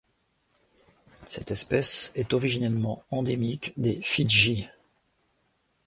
Cette espèce est originellement endémique des Fidji.